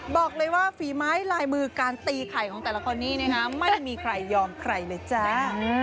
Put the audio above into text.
บอกเลยว่าฝีไม้ลายมือการตีไข่ของแต่ละคนนี้ไม่มีใครยอมใครเลยจ้า